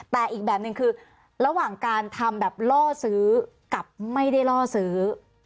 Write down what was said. แต่อีกแบบหนึ่งคือระหว่างการทำแบบล่อซื้อกับไม่ได้ล่อซื้อ